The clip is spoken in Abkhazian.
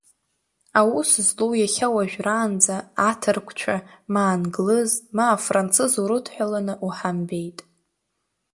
Аус злоу, иахьа уажәраанӡа аҭырқәцәа, ма англыз, ма афрныцыз урыдҳәаланы уҳамбеит.